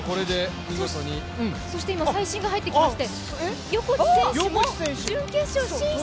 今、最新情報が入ってきまして横地選手も準決勝進出に！